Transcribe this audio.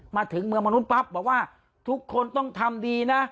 มาถึงเมืองมนุษย์ปั๊บบอกว่าทุกคนต้องทำดีนะ